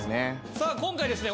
さあ今回ですね